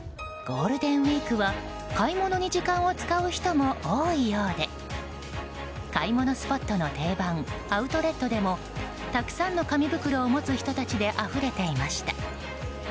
ゴールデンウィークは買い物に時間を使う人も多いようで買い物スポットの定番アウトレットでもたくさんの紙袋を持つ人たちであふれていました。